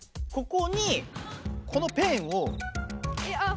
ここにこのペンを。